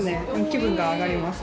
気分が上がります